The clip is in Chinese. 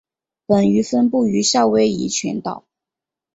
本鱼分布于夏威夷群岛。